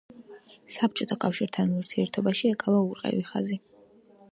საბჭოთა კავშირთან ურთიერთობაში ეკავა ურყევი ხაზი.